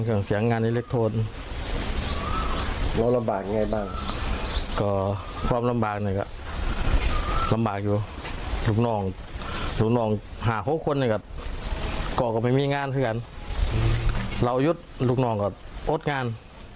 ก็ต้องมองกับโอ๊ตงาน